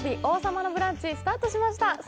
「王様のブランチ」スタートしました。